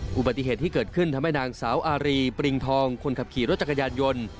อุบัติเหตุที่เกิดขึ้นทำให้นางสาวอารีปริงทองคนขับขี่รถจักรยานยนต์